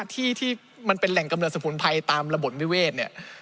ที่มันเป็นแหล่งกำเนิดสมุนไพรตามระบบนวิเวศ